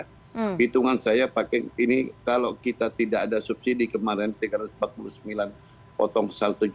hitungan saya pakai ini kalau kita tidak ada subsidi kemarin tiga ratus empat puluh sembilan potong satu ratus tujuh puluh empat